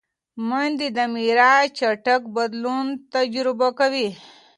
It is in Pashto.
مېندې د مزاج چټک بدلون تجربه کوي.